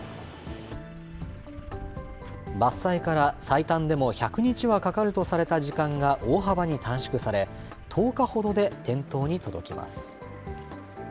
伐採から最短でも１００日はかかるとされた時間が大幅に短縮され、１０日ほどで店頭に届きます。